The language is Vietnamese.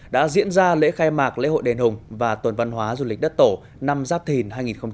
đã diễn ra lễ khai mạc lễ hội đền hùng và tuần văn hóa du lịch đất tổ năm giáp thìn hai nghìn hai mươi bốn